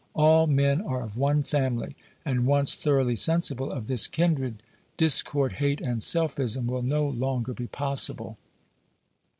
All men are of one family, and once thoroughly sensible of this kindred, discord, hate and selfism will no longer be possible."